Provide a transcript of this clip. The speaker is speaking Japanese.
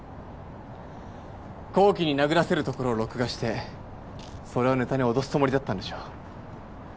紘希に殴らせるところを録画してそれをネタに脅すつもりだったんでしょ？